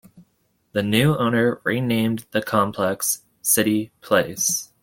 The new owner renamed the complex City Place.